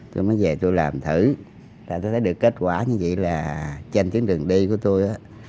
tôi mới về tôi làm thử rồi tôi thấy được kết quả như vậy là trên tuyến đường đi của tôi á